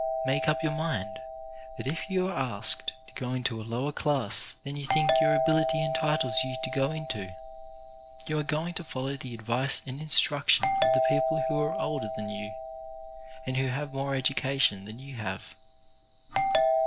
Make up your mind that if you are asked to go into a lower class than you think your ability entitles you to go into, you are going to follow the advice and instruction of the people who are older than you and who have more education than you have.